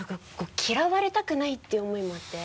嫌われたくないっていう思いもあって。